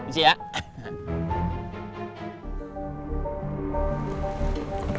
terima kasih ya